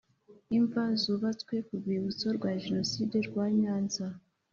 Imva zubatswe ku Rwibutso rwa Jenoside rwa nyanza